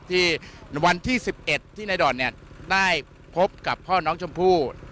วันที่๑๑ที่นายด่อนได้พบกับพ่อน้องชมพู่